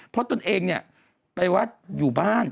เพราะตัวเองไปวัดอยู่บ้าน